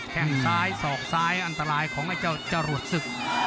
แค่งซ้ายสอกซ้ายอันตรายของไอ้เจ้าจรวดศึก